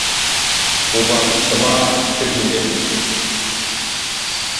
Uvah maɓəsa ma etew inde.